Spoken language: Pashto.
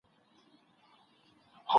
او چوپتيا خپره ده هر ځای.